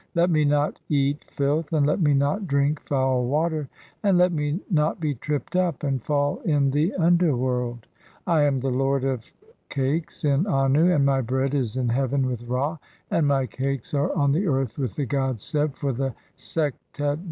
[Let me not "eat] filth, and let me not drink foul water, and let me not be "tripped up and fall [in the underworld]. (4) I am the lord of "cakes in Annu, and my bread is in heaven with Ra, and my "cakes are on the earth with the god Seb, for the Sektet boat 1.